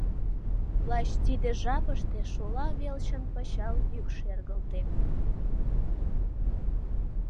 Лач тиде жапыште шола велчын пычал йӱк шергылте.